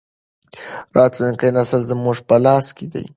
راتلونکی نسل زموږ په لاس کې دی.